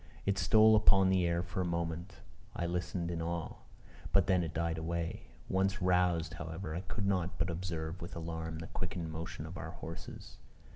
It stole upon the air for a moment; I listened in awe; but then it died away. Once roused, however, I could not but observe with alarm the quickened motion of our horses.